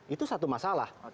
itu satu masalah